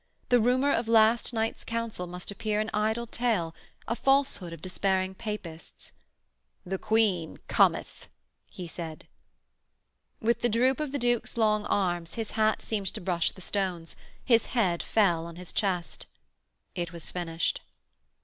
The rumour of last night's Council must appear an idle tale, a falsehood of despairing Papists. 'The Queen cometh,' he said. With the droop of the Duke's long arms his hat seemed to brush the stones, his head fell on his chest. It was finished.